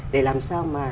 để làm sao mà